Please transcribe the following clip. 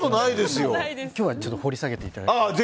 今日はちょっと掘り下げていただいて。